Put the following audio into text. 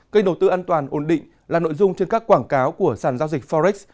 kênh đầu tư an toàn ổn định là nội dung trên các quảng cáo của sàn giao dịch forex